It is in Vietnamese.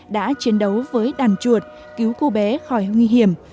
đã chiến đấu với đàn chuột cứu cô bé khỏi nguy hiểm